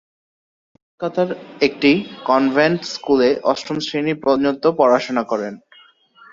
তিনি কলকাতার একটি কনভেন্ট স্কুলে অষ্টম শ্রেণী পর্যন্ত পড়াশোনা করেন।